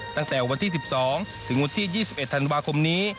ตั้งแต่วันที่๑๒ถึงวันที่๒๑ธันวาคมนี้